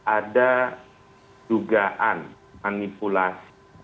ada dugaan manipulasi